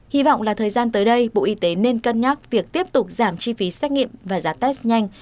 hy vọng là thời gian tới đây bộ y tế nên cân nhắc việc tiếp tục giảm chi phí xét nghiệm và giá test nhanh